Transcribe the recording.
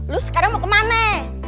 lu sekarang mau ke mana